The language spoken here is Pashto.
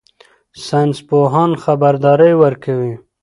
ساینس پوهان خبرداری ورکوي.